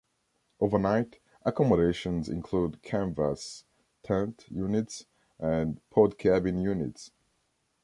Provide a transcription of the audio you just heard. Overnight accommodations include canvas tent units and pod cabin units.